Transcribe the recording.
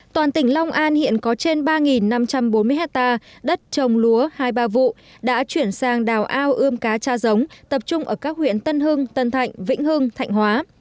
toàn tỉnh long an hiện có trên ba năm trăm bốn mươi hectare đất trồng lúa hai ba vụ đã chuyển sang đào ao ươm cá cha giống tập trung ở các huyện tân hưng tân thạnh vĩnh hưng thạnh hóa